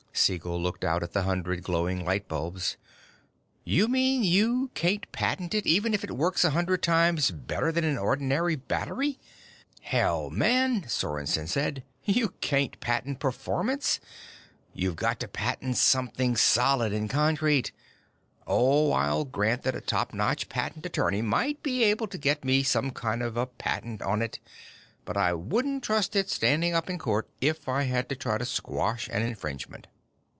Siegel looked out at the hundred glowing light bulbs. "You mean you can't patent it, even if it works a hundred times better than an ordinary battery?" "Hell, man," Sorensen said, "you can't patent performance! You've got to patent something solid and concrete! Oh, I'll grant that a top notch patent attorney might be able to get me some kind of patent on it, but I wouldn't trust its standing up in court if I had to try to quash an infringement.